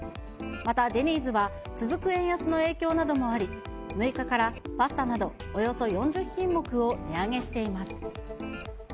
また、デニーズは続く円安の影響などもあり、６日からパスタなど、およそ４０品目を値上げしています。